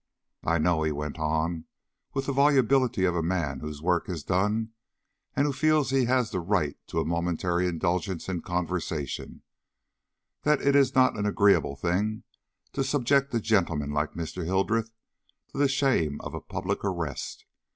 I know," he went on, with the volubility of a man whose work is done, and who feels he has the right to a momentary indulgence in conversation, "that it is not an agreeable thing to subject a gentleman like Mr. Hildreth to the shame of a public arrest.